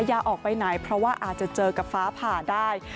อย่าออกไปไหนเพราะว่าอาจจะเจอกับฟ้าผ่าได้